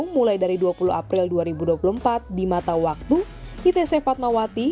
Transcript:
mulai dari dua puluh april dua ribu dua puluh empat di mata waktu itc fatmawati